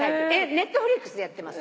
Ｎｅｔｆｌｉｘでやってます。